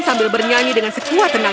sambil bernyanyi dengan sekuat tenaga